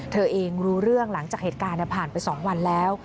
เธอเองรู้เรื่องหลังจากเหตุการณ์ผ่านไป๒วันแล้ว